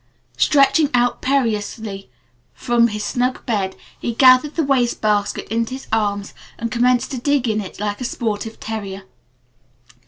Stretching out perilously from his snug bed he gathered the waste basket into his arms and commenced to dig in it like a sportive terrier.